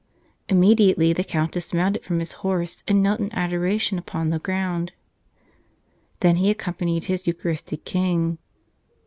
Immediately the Count dismounted from his horse and knelt in ador¬ ation upon the ground. Then he accompanied his Eucharistic King.